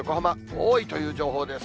多いという情報です。